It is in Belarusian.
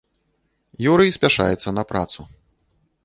Юрый спяшаецца на працу.